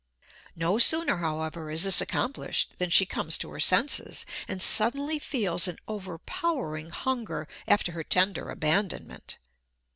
No sooner, however, is this accomplished than she comes to her senses, and suddenly feels an overpowering hunger after her tender abandonment.